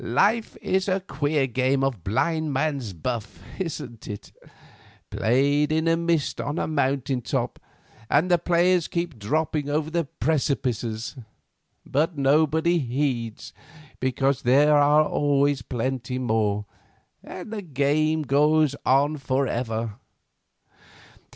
Life is a queer game of blind man's buff, isn't it; played in a mist on a mountain top, and the players keep dropping over the precipices. But nobody heeds, because there are always plenty more, and the game goes on forever.